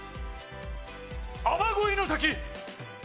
雨乞いの滝！